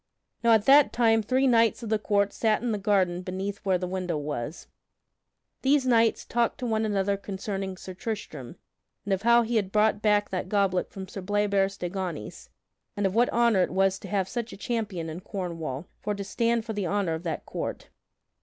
Now at that time three knights of the court sat in the garden beneath where the window was. These knights talked to one another concerning Sir Tristram, and of how he had brought back that goblet from Sir Bleoberis de Ganys, and of what honor it was to have such a champion in Cornwall for to stand for the honor of that court.